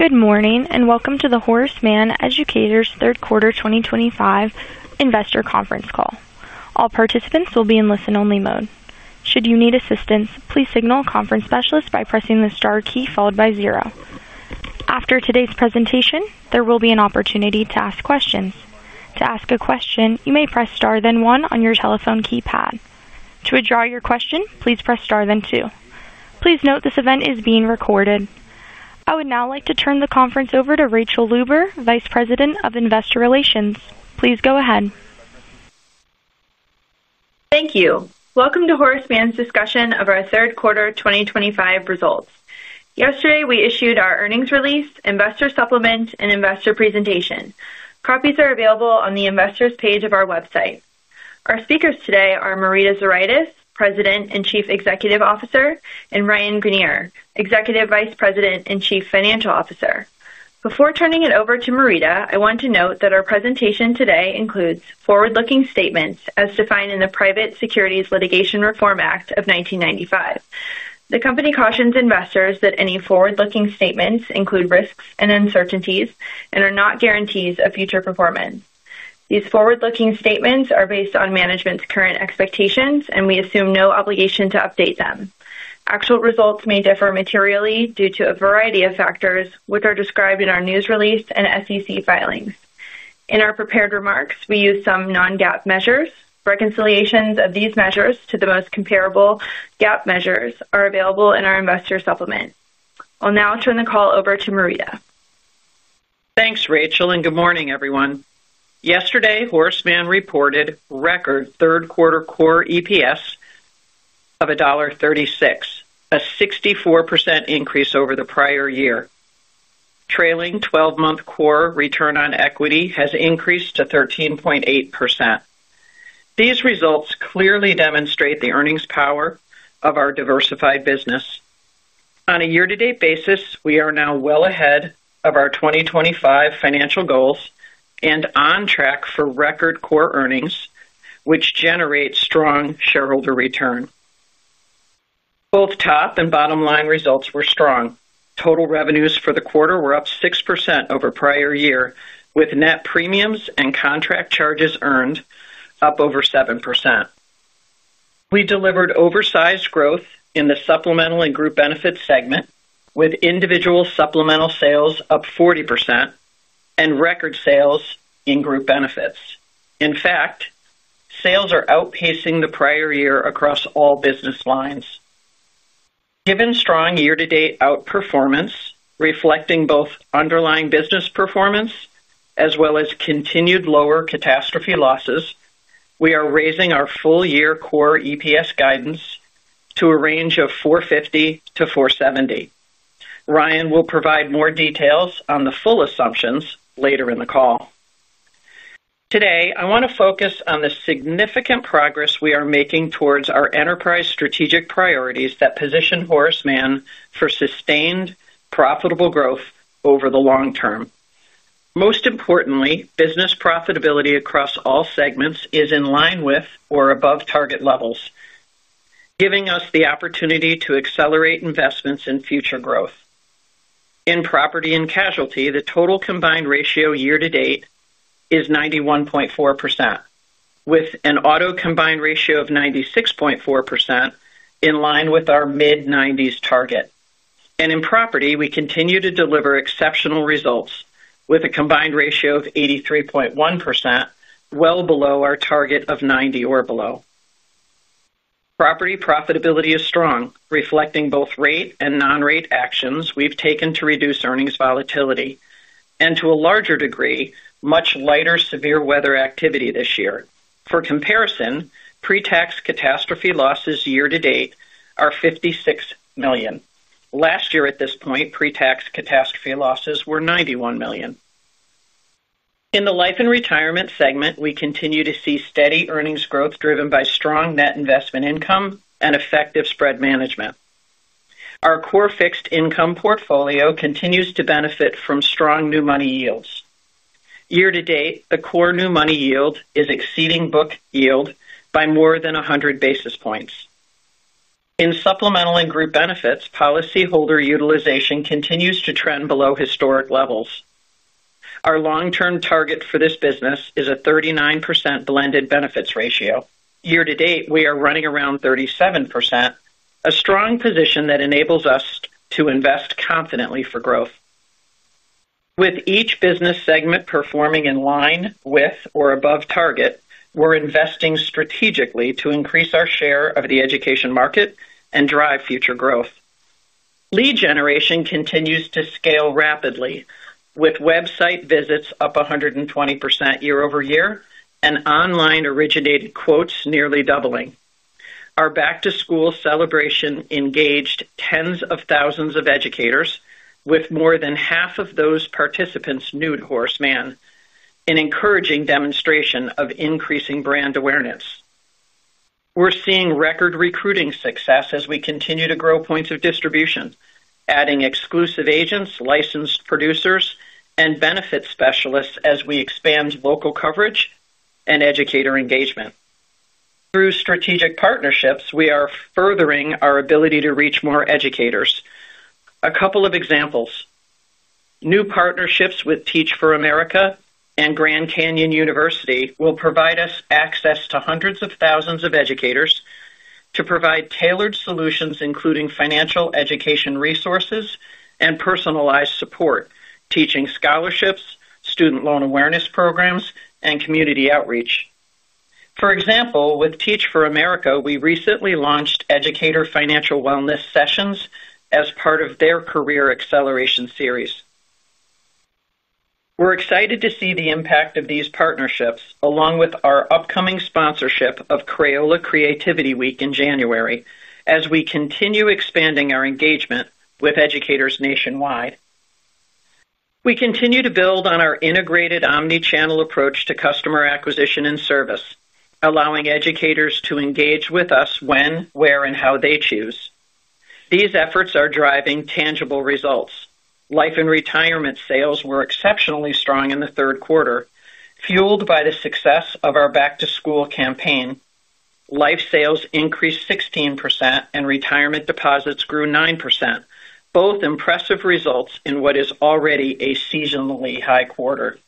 Good morning and welcome to the Horace Mann Educators third quarter 2025 investor conference call. All participants will be in listen-only mode. Should you need assistance, please signal a conference specialist by pressing the star key followed by zero. After today's presentation, there will be an opportunity to ask questions. To ask a question, you may press star then one on your telephone keypad. To withdraw your question, please press star then two. Please note this event is being recorded. I would now like to turn the conference over to Rachael Luber, Vice President of Investor Relations. Please go ahead. Thank you. Welcome to Horace Mann's discussion of our third quarter 2025 results. Yesterday, we issued our earnings release, investor supplement, and investor presentation. Copies are available on the investors' page of our website. Our speakers today are Marita Zuraitis, President and Chief Executive Officer, and Ryan Greenier, Executive Vice President and Chief Financial Officer. Before turning it over to Marita, I want to note that our presentation today includes forward-looking statements as defined in the Private Securities Litigation Reform Act of 1995. The company cautions investors that any forward-looking statements include risks and uncertainties and are not guarantees of future performance. These forward-looking statements are based on management's current expectations, and we assume no obligation to update them. Actual results may differ materially due to a variety of factors, which are described in our news release and SEC filings. In our prepared remarks, we use some non-GAAP measures. Reconciliations of these measures to the most comparable GAAP measures are available in our investor supplement. I'll now turn the call over to Marita. Thanks, Rachael, and good morning, everyone. Yesterday, Horace Mann reported record third quarter core EPS of $1.36, a 64% increase over the prior year. Trailing 12-month core return on equity has increased to 13.8%. These results clearly demonstrate the earnings power of our diversified business. On a year-to-date basis, we are now well ahead of our 2025 financial goals and on track for record core earnings, which generate strong shareholder return. Both top and bottom line results were strong. Total revenues for the quarter were up 6% over prior year, with net premiums and contract charges earned up over 7%. We delivered oversized growth in the Supplemental and Group Benefits segment, with Individual Supplemental sales up 40% and record sales in Group Benefits. In fact, sales are outpacing the prior year across all business lines. Given strong year-to-date outperformance reflecting both underlying business performance as well as continued lower catastrophe losses, we are raising our full-year core EPS guidance to a range of $4.50-$4.70. Ryan will provide more details on the full assumptions later in the call. Today, I want to focus on the significant progress we are making towards our enterprise strategic priorities that position Horace Mann for sustained profitable growth over the long term. Most importantly, business profitability across all segments is in line with or above target levels, giving us the opportunity to accelerate investments in future growth. In property and casualty, the total combined ratio year-to-date is 91.4%, with an Auto combined ratio of 96.4% in line with our mid-90s target. In property, we continue to deliver exceptional results with a combined ratio of 83.1%, well below our target of 90 or below. Property profitability is strong, reflecting both rate and non-rate actions we've taken to reduce earnings volatility and, to a larger degree, much lighter severe weather activity this year. For comparison, pre-tax catastrophe losses year-to-date are $56 million. Last year, at this point, pre-tax catastrophe losses were $91 million. In the Life and Retirement segment, we continue to see steady earnings growth driven by strong net investment income and effective spread management. Our core fixed income portfolio continues to benefit from strong new money yields. Year-to-date, the core new money yield is exceeding book yield by more than 100 basis points. In Supplemental and Group Benefits, policyholder utilization continues to trend below historic levels. Our long-term target for this business is a 39% blended benefits ratio. Year-to-date, we are running around 37%, a strong position that enables us to invest confidently for growth. With each business segment performing in line with or above target, we're investing strategically to increase our share of the education market and drive future growth. Lead generation continues to scale rapidly, with website visits up 120% year-over-year and online originated quotes nearly doubling. Our back-to-school celebration engaged tens of thousands of educators, with more than half of those participants new to Horace Mann, an encouraging demonstration of increasing brand awareness. We're seeing record recruiting success as we continue to grow points of distribution, adding exclusive agents, licensed producers, and benefits specialists as we expand local coverage and educator engagement. Through strategic partnerships, we are furthering our ability to reach more educators. A couple of examples. New partnerships with Teach for America and Grand Canyon University will provide us access to hundreds of thousands of educators to provide tailored solutions, including financial education resources and personalized support, teaching scholarships, student loan awareness programs, and community outreach. For example, with Teach for America, we recently launched educator financial wellness sessions as part of their Career Acceleration Series. We're excited to see the impact of these partnerships, along with our upcoming sponsorship of Crayola Creativity Week in January, as we continue expanding our engagement with educators nationwide. We continue to build on our integrated omnichannel approach to customer acquisition and service, allowing educators to engage with us when, where, and how they choose. These efforts are driving tangible results. Life and Retirement sales were exceptionally strong in the third quarter, fueled by the success of our back-to-school campaign. Life sales increased 16%, and retirement deposits grew 9%, both impressive results in what is already a seasonally high quarter,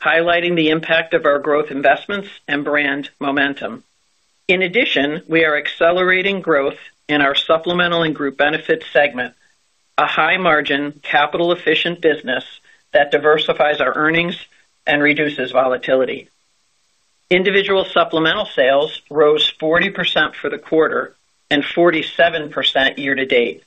highlighting the impact of our growth investments and brand momentum. In addition, we are accelerating growth in our Supplemental and Group Benefits segment, a high-margin, capital-efficient business that diversifies our earnings and reduces volatility. Individual Supplemental sales rose 40% for the quarter and 47% year-to-date,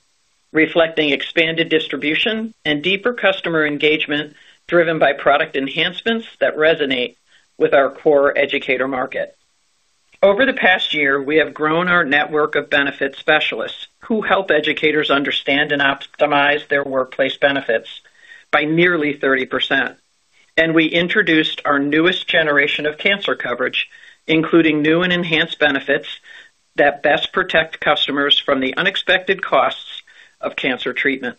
reflecting expanded distribution and deeper customer engagement driven by product enhancements that resonate with our core educator market. Over the past year, we have grown our network of benefits specialists who help educators understand and optimize their workplace benefits by nearly 30%. We introduced our newest generation of cancer coverage, including new and enhanced benefits that best protect customers from the unexpected costs of cancer treatment.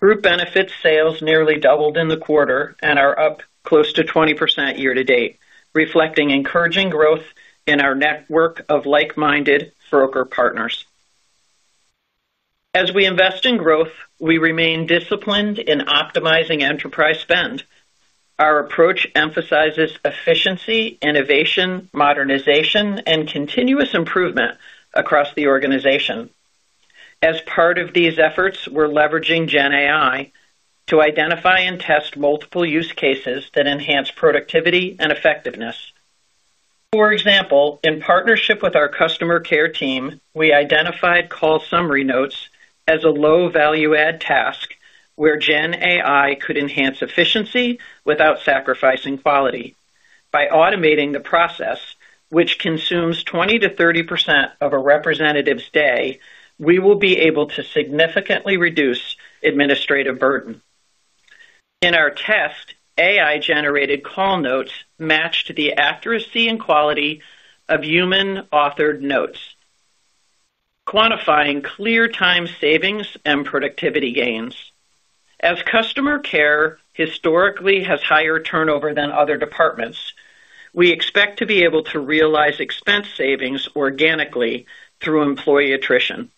Group Benefits sales nearly doubled in the quarter and are up close to 20% year-to-date, reflecting encouraging growth in our network of like-minded broker partners. As we invest in growth, we remain disciplined in optimizing enterprise spend. Our approach emphasizes efficiency, innovation, modernization, and continuous improvement across the organization. As part of these efforts, we're leveraging GenAI to identify and test multiple use cases that enhance productivity and effectiveness. For example, in partnership with our customer care team, we identified call summary notes as a low-value-add task where GenAI could enhance efficiency without sacrificing quality. By automating the process, which consumes 20%-30% of a representative's day, we will be able to significantly reduce administrative burden. In our test, AI-generated call notes matched the accuracy and quality of human-authored notes. Quantifying clear time savings and productivity gains. As customer care historically has higher turnover than other departments, we expect to be able to realize expense savings organically through employee attrition.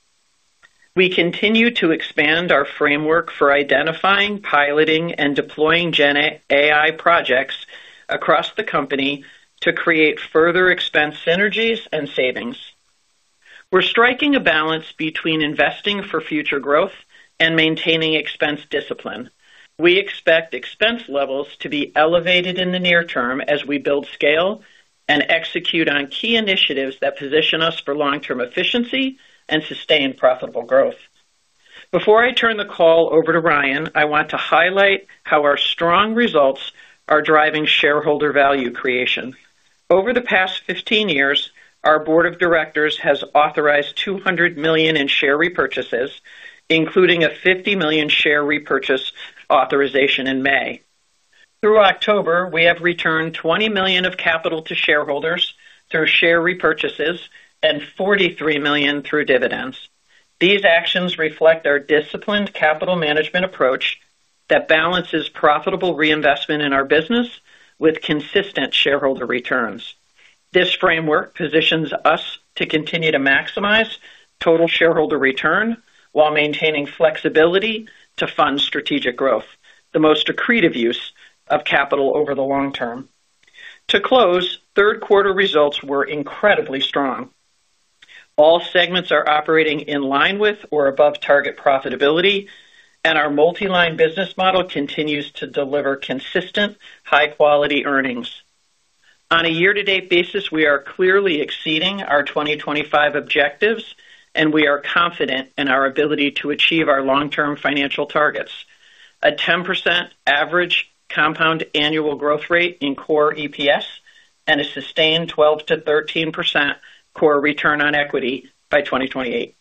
We continue to expand our framework for identifying, piloting, and deploying GenAI projects across the company to create further expense synergies and savings. We're striking a balance between investing for future growth and maintaining expense discipline. We expect expense levels to be elevated in the near term as we build scale and execute on key initiatives that position us for long-term efficiency and sustained profitable growth. Before I turn the call over to Ryan, I want to highlight how our strong results are driving shareholder value creation. Over the past 15 years, our Board of Directors has authorized $200 million in share repurchases, including a $50 million share repurchase authorization in May. Through October, we have returned $20 million of capital to shareholders through share repurchases and $43 million through dividends. These actions reflect our disciplined capital management approach that balances profitable reinvestment in our business with consistent shareholder returns. This framework positions us to continue to maximize total shareholder return while maintaining flexibility to fund strategic growth, the most accretive use of capital over the long term. To close, third quarter results were incredibly strong. All segments are operating in line with or above target profitability, and our multi-line business model continues to deliver consistent, high-quality earnings. On a year-to-date basis, we are clearly exceeding our 2025 objectives, and we are confident in our ability to achieve our long-term financial targets: a 10% average compound annual growth rate in core EPS and a sustained 12%-13% core return on equity by 2028.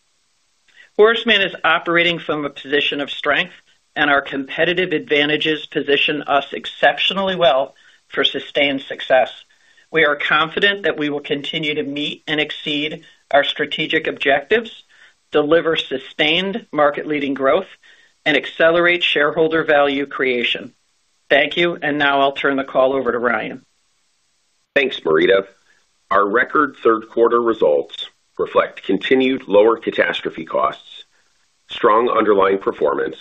Horace Mann is operating from a position of strength, and our competitive advantages position us exceptionally well for sustained success. We are confident that we will continue to meet and exceed our strategic objectives, deliver sustained market-leading growth, and accelerate shareholder value creation. Thank you, and now I'll turn the call over to Ryan. Thanks, Marita. Our record third quarter results reflect continued lower catastrophe costs, strong underlying performance,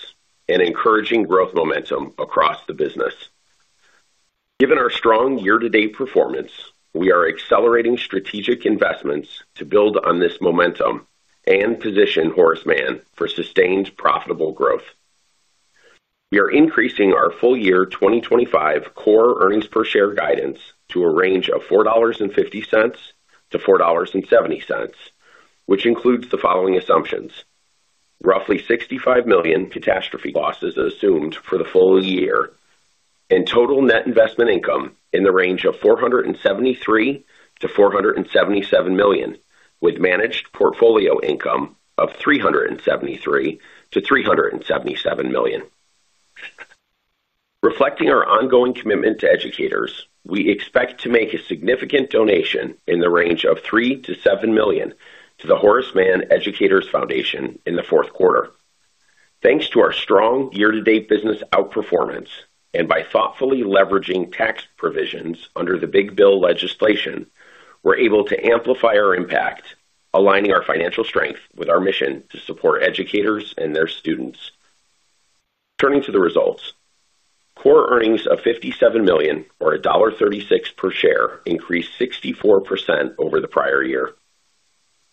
and encouraging growth momentum across the business. Given our strong year-to-date performance, we are accelerating strategic investments to build on this momentum and position Horace Mann for sustained profitable growth. We are increasing our full-year 2025 core earnings per share guidance to a range of $4.50-$4.70, which includes the following assumptions. Roughly $65 million catastrophe losses assumed for the full year, and total net investment income in the range of $473 million-$477 million, with managed portfolio income of $373 million-$377 million. Reflecting our ongoing commitment to educators, we expect to make a significant donation in the range of $3 million-$7 million to the Horace Mann Educators Foundation in the fourth quarter. Thanks to our strong year-to-date business outperformance and by thoughtfully leveraging tax provisions under the Big Bill legislation, we're able to amplify our impact, aligning our financial strength with our mission to support educators and their students. Turning to the results, core earnings of $57 million or $1.36 per share increased 64% over the prior year.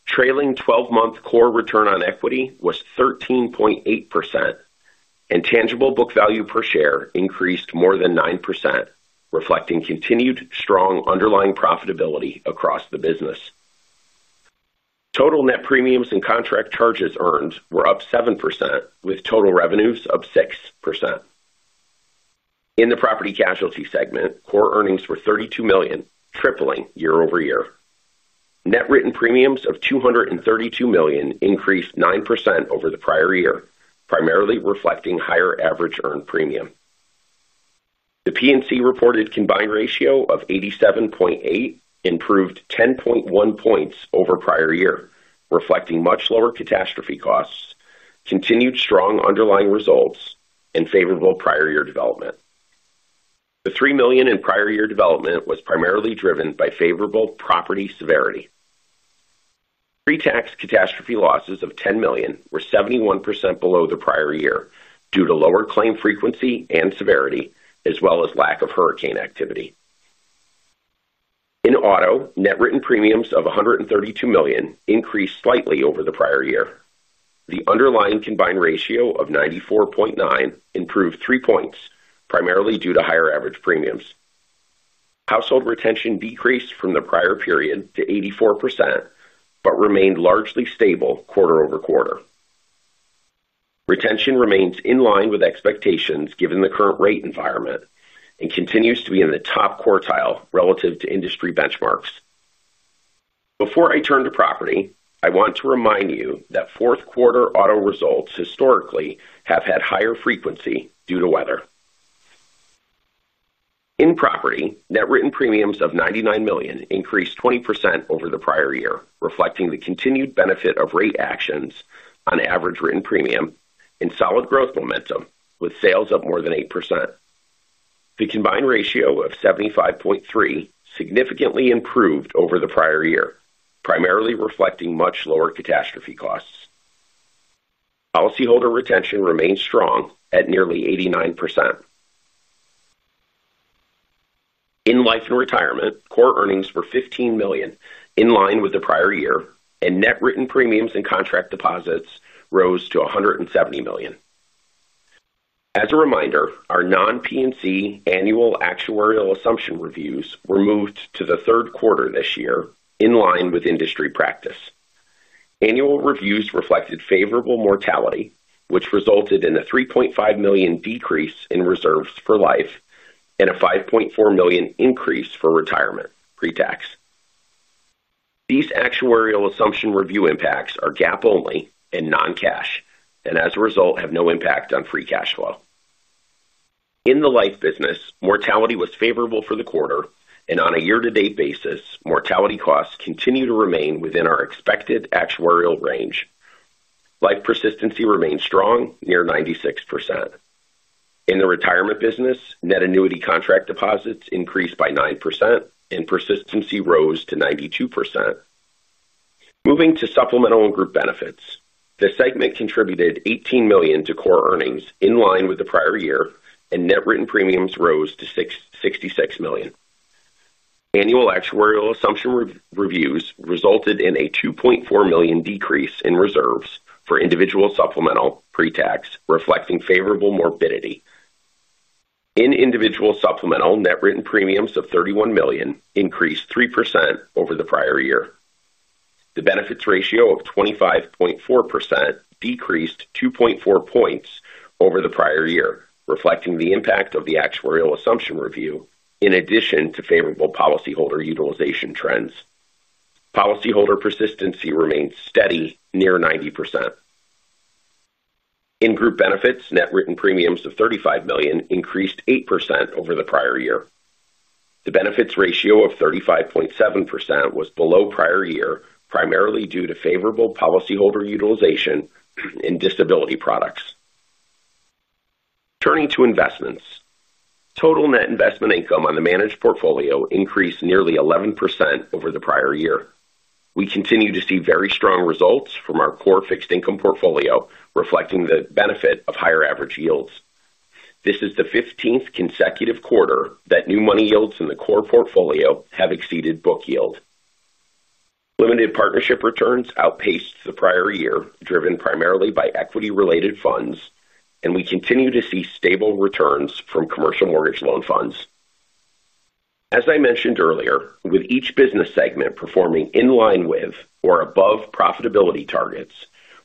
Trailing 12-month core return on equity was 13.8%. Tangible book value per share increased more than 9%, reflecting continued strong underlying profitability across the business. Total net premiums and contract charges earned were up 7%, with total revenues up 6%. In the Property Casualty segment, core earnings were $32 million, tripling year-over-year. Net written premiums of $232 million increased 9% over the prior year, primarily reflecting higher average earned premium. The P&C reported combined ratio of 87.8 improved 10.1 points over prior year, reflecting much lower catastrophe costs, continued strong underlying results, and favorable prior-year development. The $3 million in prior-year development was primarily driven by favorable property severity. Pre-tax catastrophe losses of $10 million were 71% below the prior year due to lower claim frequency and severity, as well as lack of hurricane activity. In Auto, net written premiums of $132 million increased slightly over the prior year. The underlying combined ratio of 94.9 improved 3 points, primarily due to higher average premiums. Household retention decreased from the prior period to 84%, but remained largely stable quarter-over-quarter. Retention remains in line with expectations given the current rate environment and continues to be in the top quartile relative to industry benchmarks. Before I turn to Property, I want to remind you that fourth-quarter Auto results historically have had higher frequency due to weather. In Property, net written premiums of $99 million increased 20% over the prior year, reflecting the continued benefit of rate actions on average written premium and solid growth momentum with sales up more than 8%. The combined ratio of 75.3% significantly improved over the prior year, primarily reflecting much lower catastrophe costs. Policyholder retention remains strong at nearly 89%. In Life and Retirement, core earnings were $15 million in line with the prior year, and net written premiums and contract deposits rose to $170 million. As a reminder, our non-P&C annual actuarial assumption reviews were moved to the third quarter this year in line with industry practice. Annual reviews reflected favorable mortality, which resulted in a $3.5 million decrease in reserves for Life and a $5.4 million increase for Retirement pre-tax. These actuarial assumption review impacts are GAAP-only and non-cash, and as a result, have no impact on free cash flow. In the Life business, mortality was favorable for the quarter, and on a year-to-date basis, mortality costs continue to remain within our expected actuarial range. Life persistency remained strong, near 96%. In the Retirement business, net annuity contract deposits increased by 9%, and persistency rose to 92%. Moving to Supplemental and Group Benefits, the segment contributed $18 million to core earnings in line with the prior year, and net written premiums rose to $66 million. Annual actuarial assumption reviews resulted in a $2.4 million decrease in reserves for Individual Supplemental pre-tax, reflecting favorable morbidity. In Individual Supplemental, net written premiums of $31 million increased 3% over the prior year. The benefits ratio of 25.4% decreased 2.4 points over the prior year, reflecting the impact of the actuarial assumption review in addition to favorable policyholder utilization trends. Policyholder persistency remained steady, near 90%. In Group Benefits, net written premiums of $35 million increased 8% over the prior year. The benefits ratio of 35.7% was below prior year, primarily due to favorable policyholder utilization and disability products. Turning to investments, total net investment income on the managed portfolio increased nearly 11% over the prior year. We continue to see very strong results from our core fixed income portfolio, reflecting the benefit of higher average yields. This is the 15th consecutive quarter that new money yields in the core portfolio have exceeded book yield. Limited partnership returns outpaced the prior year, driven primarily by equity-related funds, and we continue to see stable returns from commercial mortgage loan funds. As I mentioned earlier, with each business segment performing in line with or above profitability targets,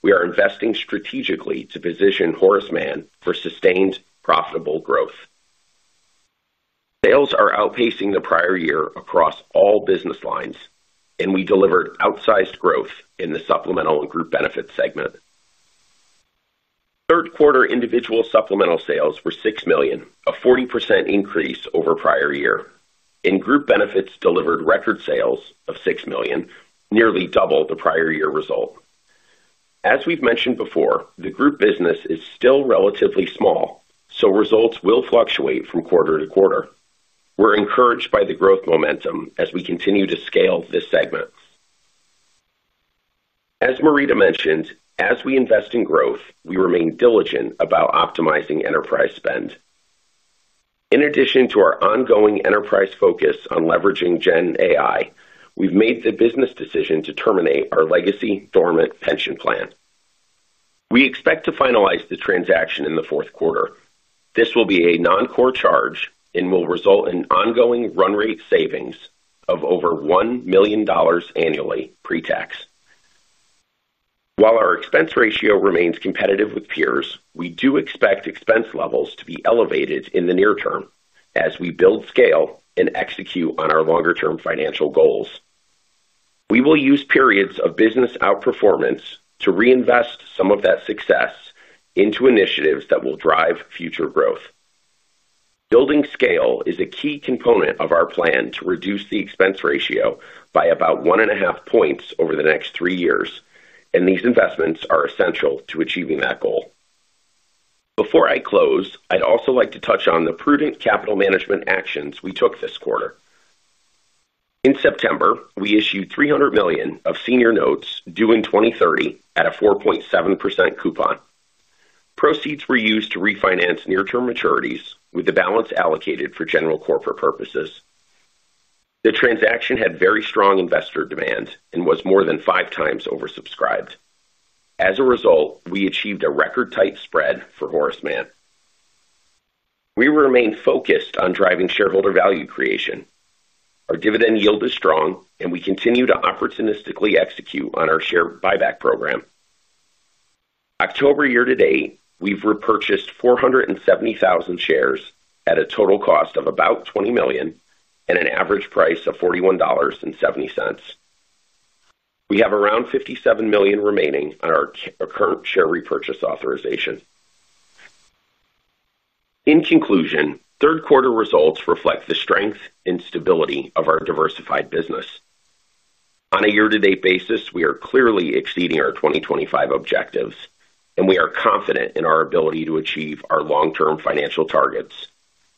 we are investing strategically to position Horace Mann for sustained profitable growth. Sales are outpacing the prior year across all business lines, and we delivered outsized growth in the Supplemental and Group Benefits segment. Third quarter Individual Supplemental sales were $6 million, a 40% increase over prior year, and Group Benefits delivered record sales of $6 million, nearly double the prior-year result. As we've mentioned before, the Group business is still relatively small, so results will fluctuate from quarter to quarter. We're encouraged by the growth momentum as we continue to scale this segment. As Marita mentioned, as we invest in growth, we remain diligent about optimizing enterprise spend. In addition to our ongoing enterprise focus on leveraging GenAI, we've made the business decision to terminate our legacy dormant pension plan. We expect to finalize the transaction in the fourth quarter. This will be a non-core charge and will result in ongoing run rate savings of over $1 million annually pre-tax. While our expense ratio remains competitive with peers, we do expect expense levels to be elevated in the near term as we build scale and execute on our longer-term financial goals. We will use periods of business outperformance to reinvest some of that success into initiatives that will drive future growth. Building scale is a key component of our plan to reduce the expense ratio by about 1.5 points over the next three years, and these investments are essential to achieving that goal. Before I close, I'd also like to touch on the prudent capital management actions we took this quarter. In September, we issued $300 million of senior notes due in 2030 at a 4.7% coupon. Proceeds were used to refinance near-term maturities, with the balance allocated for general corporate purposes. The transaction had very strong investor demand and was more than five times oversubscribed. As a result, we achieved a record-tight spread for Horace Mann. We remain focused on driving shareholder value creation. Our dividend yield is strong, and we continue to opportunistically execute on our share buyback program. October year-to-date, we've repurchased 470,000 shares at a total cost of about $20 million and an average price of $41.70. We have around $57 million remaining on our current share repurchase authorization. In conclusion, third quarter results reflect the strength and stability of our diversified business. On a year-to-date basis, we are clearly exceeding our 2025 objectives, and we are confident in our ability to achieve our long-term financial targets: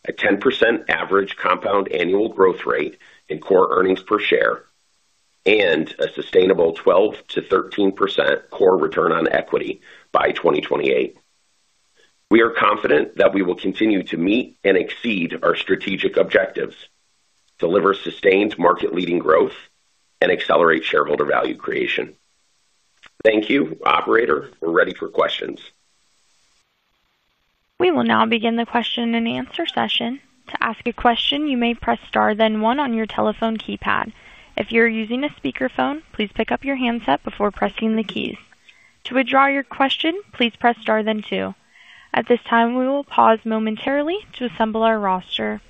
a 10% average compound annual growth rate in core earnings per share and a sustainable 12%-13% core return on equity by 2028. We are confident that we will continue to meet and exceed our strategic objectives, deliver sustained market-leading growth, and accelerate shareholder value creation. Thank you, operator. We're ready for questions. We will now begin the question and answer session. To ask a question, you may press star then one on your telephone keypad. If you're using a speakerphone, please pick up your handset before pressing the keys. To withdraw your question, please press star then two. At this time, we will pause momentarily to assemble our roster.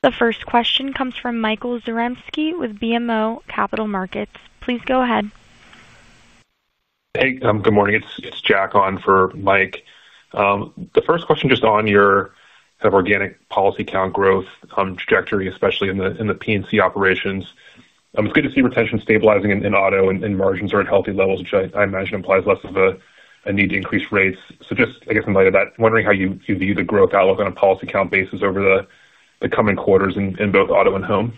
The first question comes from Michael Zaremski with BMO Capital Markets. Please go ahead. Hey, good morning. It's Jack on for Mike. The first question just on your kind of organic policy account growth trajectory, especially in the P&C operations. It's good to see retention stabilizing in Auto, and margins are at healthy levels, which I imagine implies less of a need to increase rates. Just, I guess, in light of that, wondering how you view the growth outlook on a policy account basis over the coming quarters in both Auto and Home.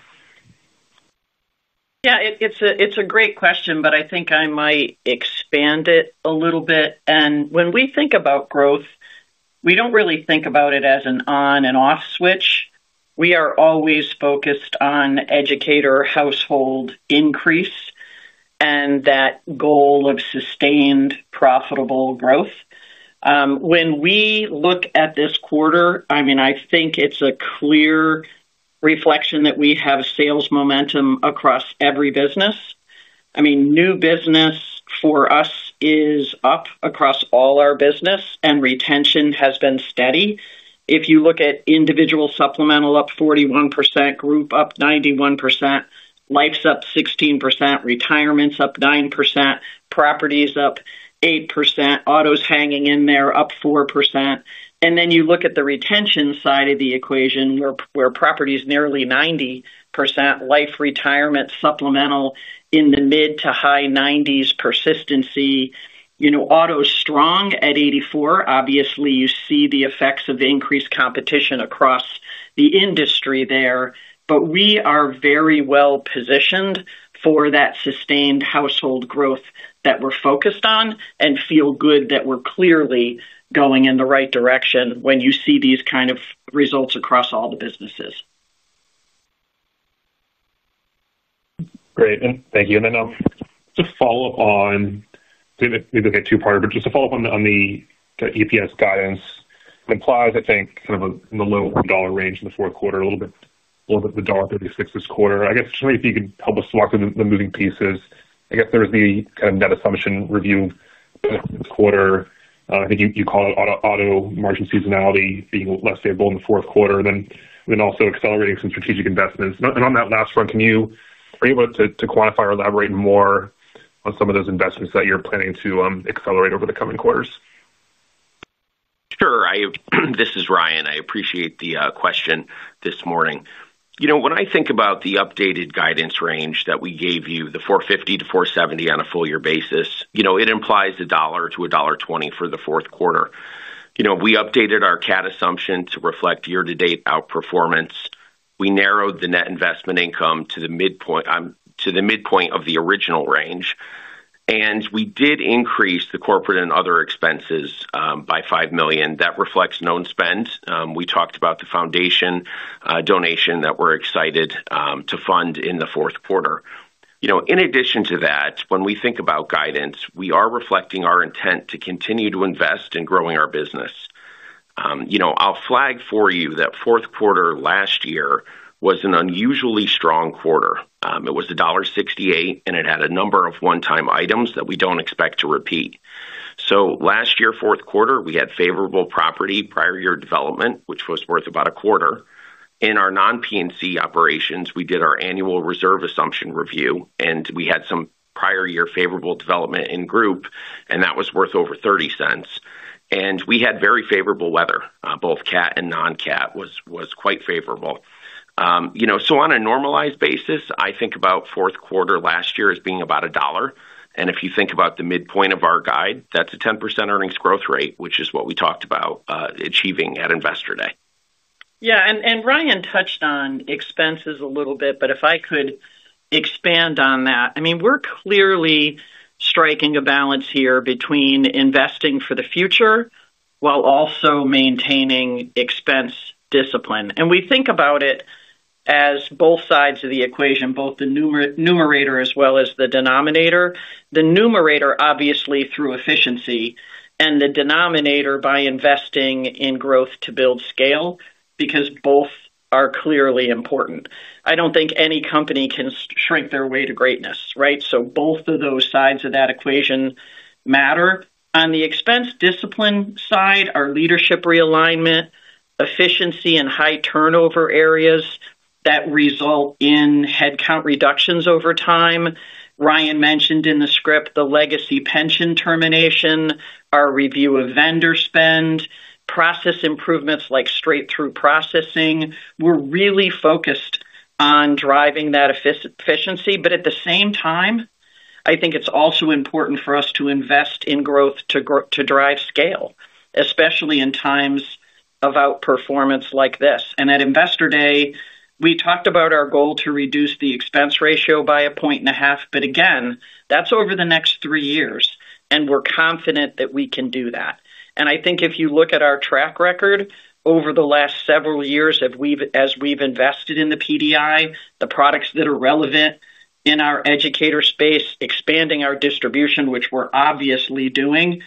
Yeah, it's a great question, but I think I might expand it a little bit. And when we think about growth, we don't really think about it as an on and off switch. We are always focused on educator household increase and that goal of sustained profitable growth. When we look at this quarter, I mean, I think it's a clear reflection that we have sales momentum across every business. I mean, new business for us is up across all our business, and retention has been steady. If you look at Individual Supplemental, up 41%, Group up 91%, Life's up 16%, Retirements up 9%, Property is up 8%, autos hanging in there up 4%. And then you look at the retention side of the equation, where Property is nearly 90%, life Retirement Supplemental in the mid to high 90s, persistency. Auto strong at 84%. Obviously, you see the effects of increased competition across the industry there, but we are very well positioned for that sustained household growth that we're focused on and feel good that we're clearly going in the right direction when you see these kind of results across all the businesses. Great. Thank you. Just to follow up on, we look at two parts, but just to follow up on the EPS guidance, it implies, I think, kind of in the low-$1 range in the fourth quarter, a little bit off the $1.36 this quarter. I guess, just maybe, if you can help us walk through the moving pieces. I guess there was the kind of net assumption review this quarter. I think you call it auto margin seasonality being less stable in the fourth quarter, and then also accelerating some strategic investments. On that last one, can you be able to quantify or elaborate more on some of those investments that you're planning to accelerate over the coming quarters? Sure. This is Ryan. I appreciate the question this morning. When I think about the updated guidance range that we gave you, the $4.50-$4.70 on a full-year basis, it implies $1.00-$1.20 for the fourth quarter. We updated our CAT assumption to reflect year-to-date outperformance. We narrowed the net investment income to the midpoint of the original range. We did increase the corporate and other expenses by $5 million. That reflects known spend. We talked about the foundation donation that we're excited to fund in the fourth quarter. In addition to that, when we think about guidance, we are reflecting our intent to continue to invest in growing our business. I'll flag for you that fourth quarter last year was an unusually strong quarter. It was $1.68, and it had a number of one-time items that we don't expect to repeat. Last year's fourth quarter, we had favorable property prior-year development, which was worth about a quarter. In our non-P&C operations, we did our annual reserve assumption review, and we had some prior-year favorable development in Group, and that was worth over $0.30. We had very favorable weather. Both CAT and non-CAT was quite favorable. On a normalized basis, I think about fourth quarter last year as being about a $1. If you think about the midpoint of our guide, that's a 10% earnings growth rate, which is what we talked about achieving at Investor Day. Yeah. Ryan touched on expenses a little bit, but if I could expand on that. I mean, we're clearly striking a balance here between investing for the future while also maintaining expense discipline. We think about it as both sides of the equation, both the numerator as well as the denominator. The numerator, obviously, through efficiency, and the denominator by investing in growth to build scale because both are clearly important. I do not think any company can shrink their way to greatness, right? Both of those sides of that equation matter. On the expense discipline side, our leadership realignment, efficiency, and high turnover areas that result in headcount reductions over time. Ryan mentioned in the script the legacy pension termination, our review of vendor spend, process improvements like straight-through processing. We're really focused on driving that efficiency, but at the same time, I think it's also important for us to invest in growth to drive scale, especially in times of outperformance like this. At Investor Day, we talked about our goal to reduce the expense ratio by a 1.5, but again, that's over the next three years, and we're confident that we can do that. I think if you look at our track record over the last several years, as we've invested in the PDI, the products that are relevant in our educator space, expanding our distribution, which we're obviously doing,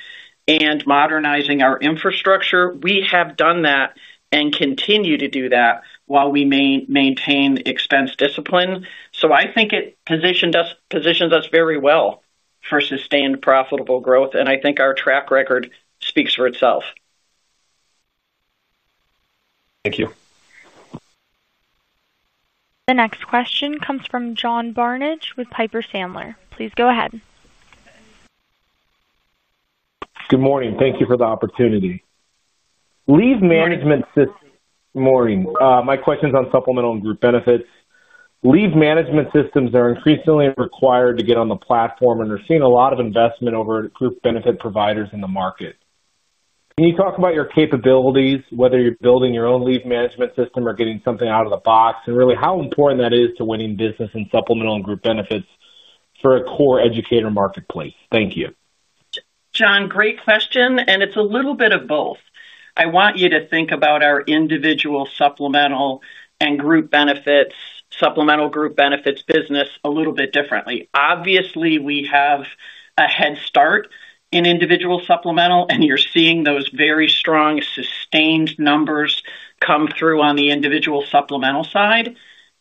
and modernizing our infrastructure, we have done that and continue to do that while we maintain expense discipline. I think it positions us very well for sustained profitable growth, and I think our track record speaks for itself. Thank you. The next question comes from John Barnidge with Piper Sandler. Please go ahead. Good morning. Thank you for the opportunity. Lead management. Good morning. Good morning. My question's on Supplemental and Group Benefits. Lead management systems are increasingly required to get on the platform, and we're seeing a lot of investment over Group Benefit providers in the market. Can you talk about your capabilities, whether you're building your own lead management system or getting something out of the box, and really how important that is to winning business in Supplemental and Group Benefits for a core educator marketplace? Thank you. Great question. It is a little bit of both. I want you to think about our Individual Supplemental and Group Benefits, Supplemental Group Benefits business a little bit differently. Obviously, we have a head start in Individual Supplemental, and you are seeing those very strong sustained numbers come through on the Individual Supplemental side.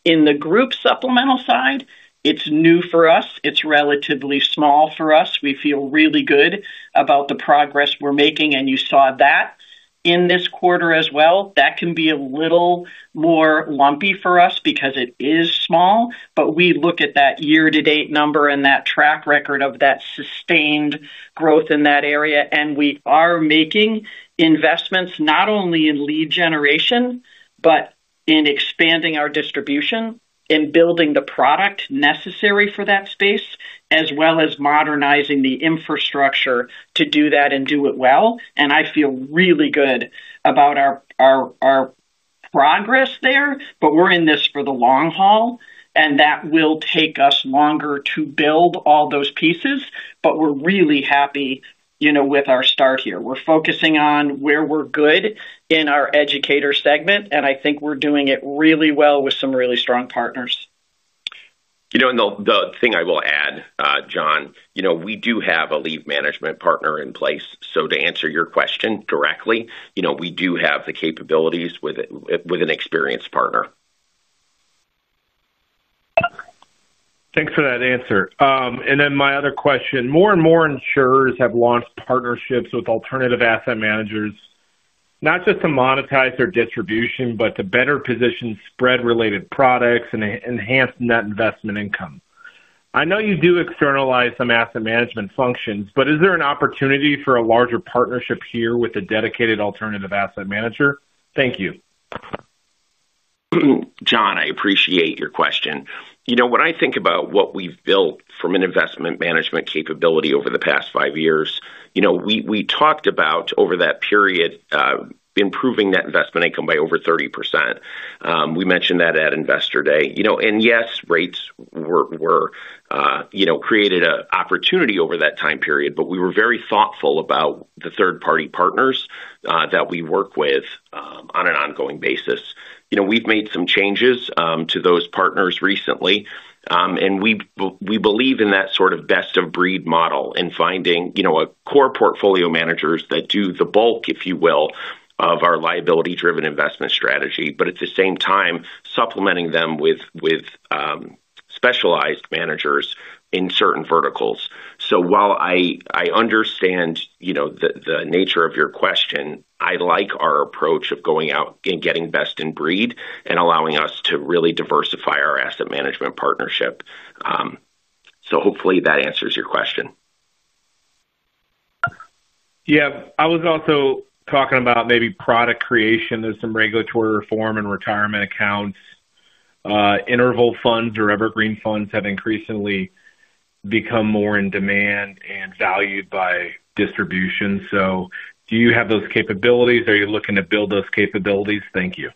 In the Group Supplemental side, it is new for us. It is relatively small for us. We feel really good about the progress we are making, and you saw that in this quarter as well. That can be a little more lumpy for us because it is small, but we look at that year-to-date number and that track record of that sustained growth in that area, and we are making investments not only in lead generation, but in expanding our distribution and building the product necessary for that space, as well as modernizing the infrastructure to do that and do it well. I feel really good about our progress there, but we're in this for the long haul, and that will take us longer to build all those pieces, but we're really happy with our start here. We're focusing on where we're good in our educator segment, and I think we're doing it really well with some really strong partners. The thing I will add, John, we do have a lead management partner in place. To answer your question directly, we do have the capabilities with an experienced partner. Thanks for that answer. My other question. More and more insurers have launched partnerships with alternative asset managers, not just to monetize their distribution, but to better position spread-related products and enhance net investment income. I know you do externalize some asset management functions, but is there an opportunity for a larger partnership here with a dedicated alternative asset manager? Thank you. John, I appreciate your question. When I think about what we've built from an investment management capability over the past five years, we talked about over that period. Improving that investment income by over 30%. We mentioned that at Investor Day. Yes, rates created an opportunity over that time period, but we were very thoughtful about the third-party partners that we work with on an ongoing basis. We've made some changes to those partners recently, and we believe in that sort of best-of-breed model in finding core portfolio managers that do the bulk, if you will, of our liability-driven investment strategy, but at the same time, supplementing them with specialized managers in certain verticals. While I understand the nature of your question, I like our approach of going out and getting best in breed and allowing us to really diversify our asset management partnership. Hopefully, that answers your question. Yeah. I was also talking about maybe product creation. There's some regulatory reform in retirement accounts. Interval funds or evergreen funds have increasingly become more in demand and valued by distribution. Do you have those capabilities? Are you looking to build those capabilities? Thank you.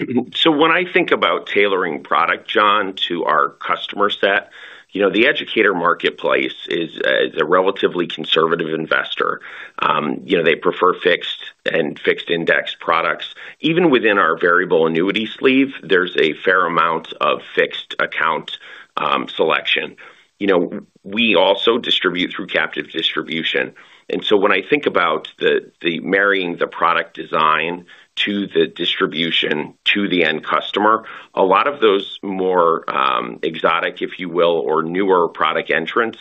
When I think about tailoring product, John, to our customer set, the educator marketplace is a relatively conservative investor. They prefer fixed and fixed-index products. Even within our variable annuity sleeve, there's a fair amount of fixed account selection. We also distribute through captive distribution. When I think about marrying the product design to the distribution to the end customer, a lot of those more exotic, if you will, or newer product entrants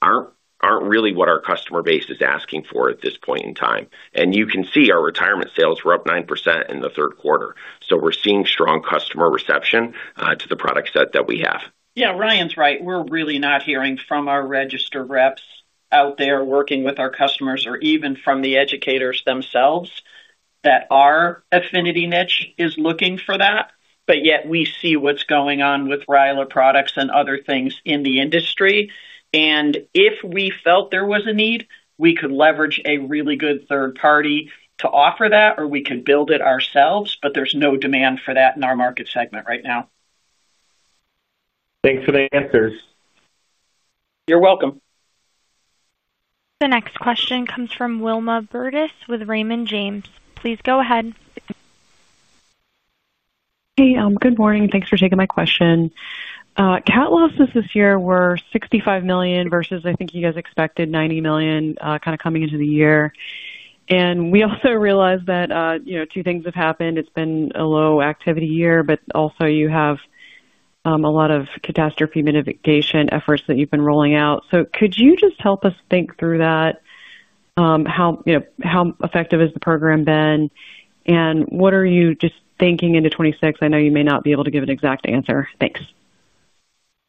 aren't really what our customer base is asking for at this point in time. You can see our Retirement sales were up 9% in the third quarter. We're seeing strong customer reception to the product set that we have. Yeah. Ryan's right. We're really not hearing from our registered reps out there working with our customers or even from the educators themselves that our affinity niche is looking for that. Yet, we see what's going on with RILA products and other things in the industry. If we felt there was a need, we could leverage a really good third party to offer that, or we could build it ourselves, but there's no demand for that in our market segment right now. Thanks for the answers. You're welcome. The next question comes from Wilma Burdis with Raymond James. Please go ahead. Hey. Good morning. Thanks for taking my question. CAT losses this year were $65 million versus, I think, you guys expected $90 million kind of coming into the year. We also realize that two things have happened. It's been a low activity year, but also, you have a lot of catastrophe mitigation efforts that you've been rolling out. Could you just help us think through that? How effective has the program been? What are you just thinking into 2026? I know you may not be able to give an exact answer. Thanks.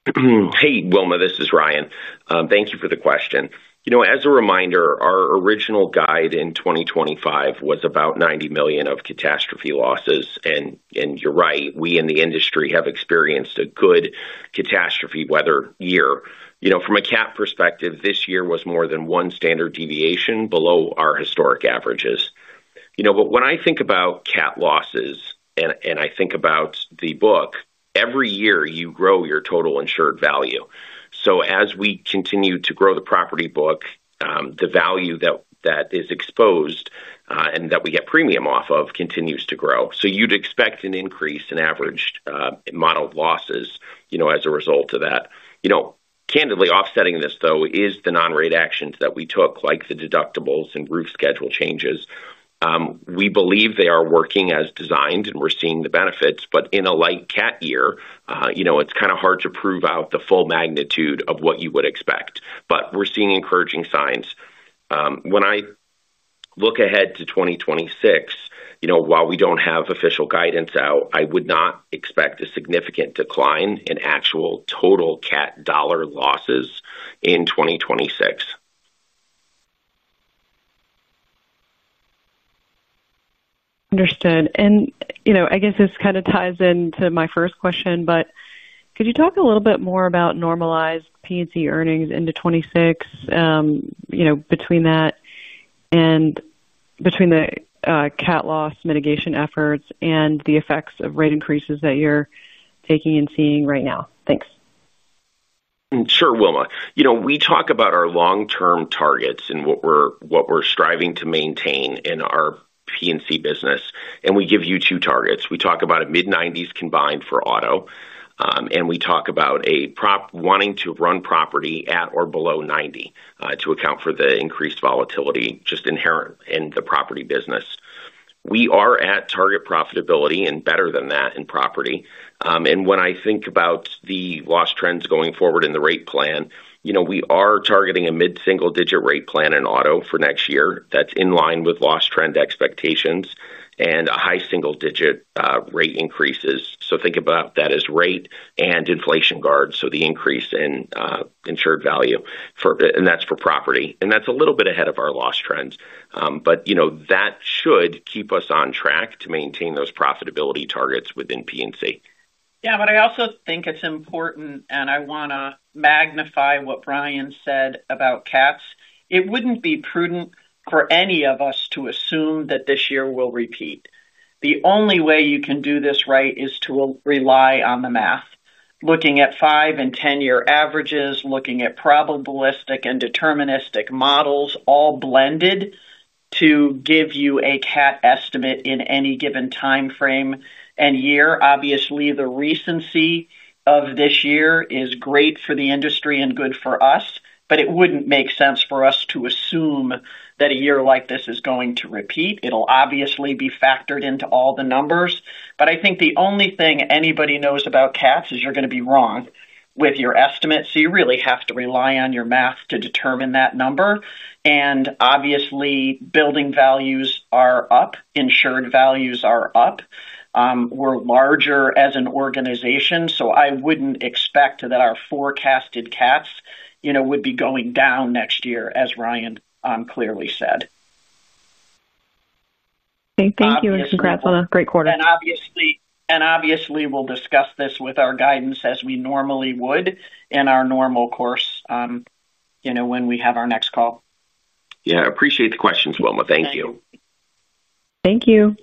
Hey, Wilma. This is Ryan. Thank you for the question. As a reminder, our original guide in 2025 was about $90 million of catastrophe losses. You're right. We in the industry have experienced a good catastrophe weather year. From a CAT perspective, this year was more than one standard deviation below our historic averages. When I think about CAT losses and I think about the book, every year, you grow your total insured value. As we continue to grow the property book, the value that is exposed and that we get premium off of continues to grow. You'd expect an increase in average model losses as a result of that. Candidly, offsetting this, though, is the non-rated actions that we took, like the deductibles and group schedule changes. We believe they are working as designed, and we're seeing the benefits. In a light CAT year, it's kind of hard to prove out the full magnitude of what you would expect. We're seeing encouraging signs. When I look ahead to 2026, while we don't have official guidance out, I would not expect a significant decline in actual total CAT dollar losses in 2026. Understood. I guess this kind of ties into my first question, but could you talk a little bit more about normalized P&C earnings into 2026? Between that and between the CAT loss mitigation efforts and the effects of rate increases that you're taking and seeing right now? Thanks. Sure, Wilma. We talk about our long-term targets and what we're striving to maintain in our P&C business. We give you two targets. We talk about a mid-90s combined for Auto, and we talk about wanting to run property at or below 90 to account for the increased volatility just inherent in the Property business. We are at target profitability and better than that in Property. When I think about the loss trends going forward in the rate plan, we are targeting a mid-single-digit rate plan in Auto for next year that's in line with loss trend expectations and high single-digit rate increases. Think about that as rate and inflation guard, so the increase in insured value. That's for Property. That's a little bit ahead of our loss trends. That should keep us on track to maintain those profitability targets within P&C. Yeah. I also think it's important, and I want to magnify what Ryan said about cats. It wouldn't be prudent for any of us to assume that this year will repeat. The only way you can do this right is to rely on the math, looking at 5 and 10-year averages, looking at probabilistic and deterministic models all blended to give you a CAT estimate in any given time frame and year. Obviously, the recency of this year is great for the industry and good for us, but it wouldn't make sense for us to assume that a year like this is going to repeat. It'll obviously be factored into all the numbers. I think the only thing anybody knows about CATs is you're going to be wrong with your estimate. You really have to rely on your math to determine that number. Obviously, building values are up. Insured values are up. We're larger as an organization. I wouldn't expect that our forecasted CATs would be going down next year, as Ryan clearly said. Thank you. Congrats on a great quarter. Obviously, we'll discuss this with our guidance as we normally would in our normal course when we have our next call. Yeah. I appreciate the questions, Wilma. Thank you. Thank you.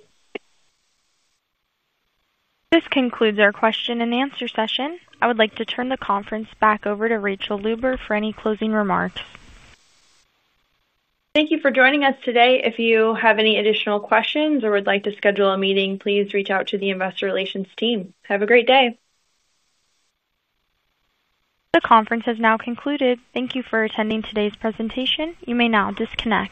This concludes our question and answer session. I would like to turn the conference back over to Rachael Luber for any closing remarks. Thank you for joining us today. If you have any additional questions or would like to schedule a meeting, please reach out to the Investor Relations team. Have a great day. The conference has now concluded. Thank you for attending today's presentation. You may now disconnect.